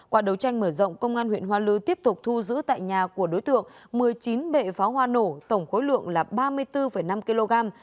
qua đấu tranh mở rộng công an huyện hoa lư tiếp tục thu giữ tại nhà của đối tượng một mươi chín bệ pháo hoa nổ tổng khối lượng là ba mươi bốn năm kg